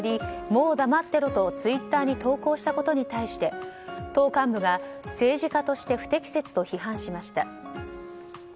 もう黙ってろとツイッターに投稿したことに対して党幹部が、政治家として不適切と批判しました。